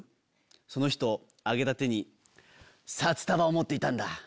その人上げた手に札束を持っていたんだ。